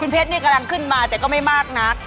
เพชรนี่กำลังขึ้นมาแต่ก็ไม่มากนัก